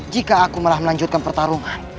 jika aku malah melanjutkan pertarungan